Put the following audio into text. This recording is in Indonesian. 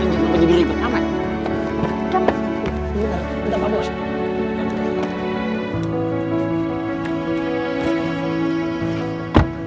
tidak pak bos